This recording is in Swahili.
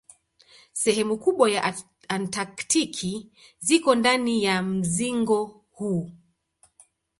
Sehemu kubwa ya Antaktiki ziko ndani ya mzingo huu.